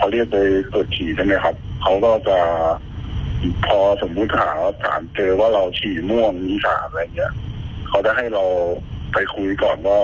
นี่สามอะไรอย่างเงี้ยเขาจะให้เราไปคุยก่อนว่า